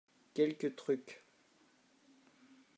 quelques trucs.